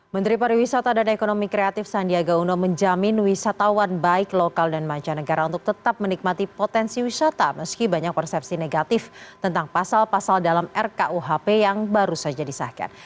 menteri pariwisata dan ekonomi kreatif sandiaga uno menjamin wisatawan baik lokal dan mancanegara untuk tetap menikmati potensi wisata meski banyak persepsi negatif tentang pasal pasal dalam rkuhp yang baru saja disahkan